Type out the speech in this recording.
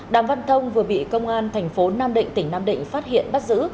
đàm văn thông vừa bị công an thành phố nam định tỉnh nam định phát hiện bắt giữ